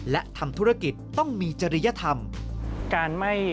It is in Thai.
และทำธุรกิจต้องมีจริยธรรม